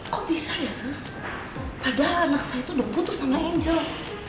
kok bisa ya sus padahal anak saya tuh udah putus sama angel